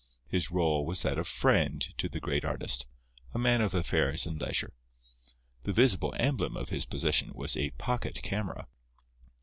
His rôle was that of friend to the great artist, a man of affairs and leisure. The visible emblem of his position was a pocket camera.